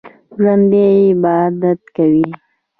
ژوندي عبادت کوي